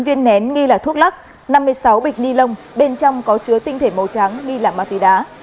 hai viên nén nghi là thuốc lắc năm mươi sáu bịch ni lông bên trong có chứa tinh thể màu trắng nghi là ma túy đá